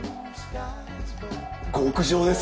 極上です。